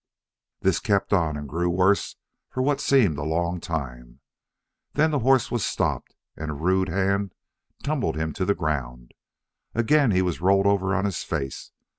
This kept on and grew worse for what seemed a long time. Then the horse was stopped and a rude hand tumbled him to the ground. Again he was rolled over on his face.